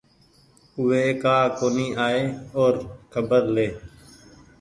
اوي ڪآ ڪونيٚ آئي اور خبر لي